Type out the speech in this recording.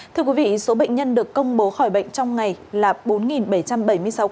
thưa quý vị số bệnh nhân được công bố khỏi bệnh trong ngày là bốn bảy trăm bảy mươi sáu ca